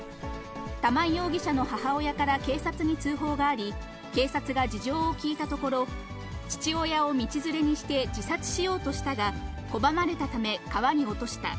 玉井容疑者の母親から警察に通報があり、警察が事情を聴いたところ、父親を道連れにして自殺しようとしたが、拒まれたため、川に落とした。